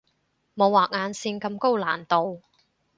冇畫眼線咁高難度